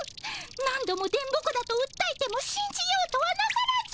何度も電ボ子だとうったえてもしんじようとはなさらず。